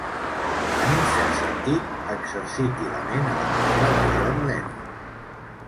En un cert sentit, exerciti la ment a la manera de John Lennon.